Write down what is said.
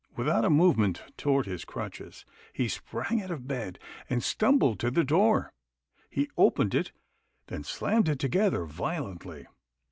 Without a movement toward his crutches, he sprang out of bed and stumbled to the door. He opened it, then slammed it together violently.